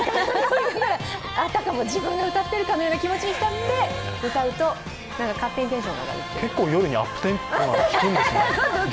あたかも自分が歌っているかのような気持ちに浸って歌うと勝手にテンションが上がるという。